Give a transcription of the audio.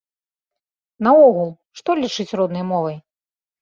Наогул, што лічыць роднай мовай?